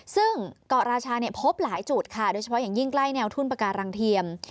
ซึ่งเกาะราชาเนี่ยพบหลายจุดค่ะโดยเฉพาะอย่างยิ่งใกล้แนวทุ่นปาการังเทียม